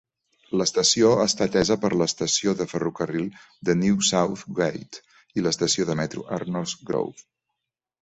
L'estació està atesa per l'estació de ferrocarril de New Southgate i l'estació de metro d'Arnos Grove.